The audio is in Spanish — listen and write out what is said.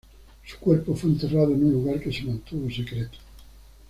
Su cuerpo fue enterrado en un lugar que se mantuvo secreto.